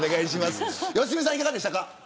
良純さん、いかがでしたか。